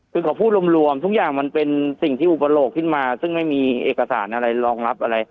คือเขาพูดรวมทุกอย่างมันเป็นสิ่งที่อุปโลกขึ้นมาซึ่งไม่มีเอกสารอะไรรองรับอะไร